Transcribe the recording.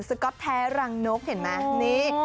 สก๊อปแท้รังนกเห็นไหม